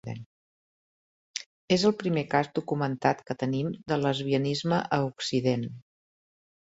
És el primer cas documentat que tenim de lesbianisme a occident.